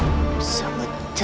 sepertinya akan sulit bagiku